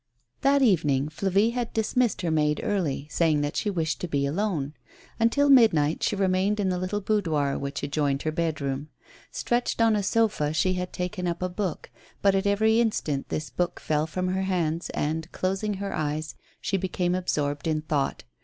That evening Flavie had dismissed her maid early, saying that she wished to be alone. Until midnight she remained in the little boudoir which adjoined her bed room. Stretched on a sofa, she had taken up a book ; but at every instant this book fell from her hands, and, closing her eyes, she became absorbed in thought.